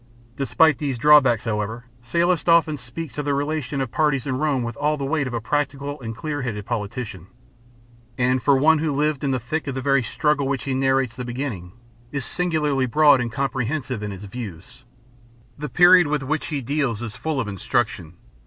Despite these drawbacks, however, Sallust often speaks of the relation of parties in Rome with all the weight of a practical and clear headed politician, and, for one who lived in the thick of the very struggle of which he narrates the beginning, is singularly broad and comprehensive in his views. The period with which he deals is full of instruction.